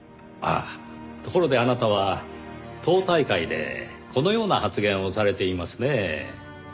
あっところであなたは党大会でこのような発言をされていますねぇ。